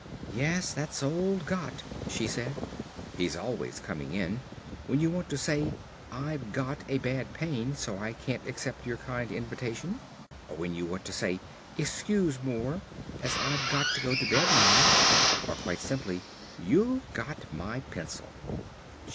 "Yes, that's old 'got,'" she said. "He's always coming in. When you want to say, 'I've got a bad pain, so I can't accept your kind invitation'; or when you want to say, 'Excuse more, as I've got to go to bed now'; or quite simply, 'You've got my pencil.'"